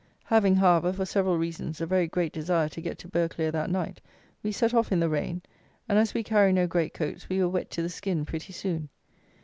Having, however, for several reasons, a very great desire to get to Burghclere that night, we set off in the rain; and, as we carry no great coats, we were wet to the skin pretty soon.